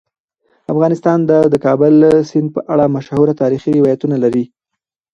افغانستان د د کابل سیند په اړه مشهور تاریخی روایتونه لري.